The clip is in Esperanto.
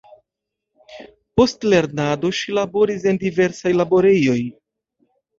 Post lernado ŝi laboris en diversaj laborejoj.